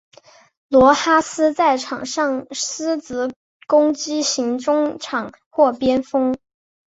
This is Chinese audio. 罗哈斯在场上司职攻击型中场或边锋。